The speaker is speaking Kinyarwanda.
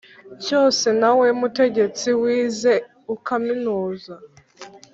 cyo se na we mutegetsi wize ukaminuza